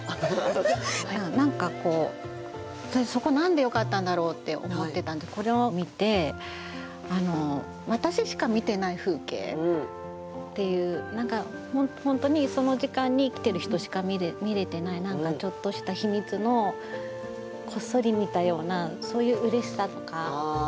何か「そこ何でよかったんだろう？」って思ってたんでこれを見て私しか見てない風景っていう何か本当にその時間に生きてる人しか見れてない何かちょっとした秘密のこっそり見たようなそういううれしさとか宝物みたいな。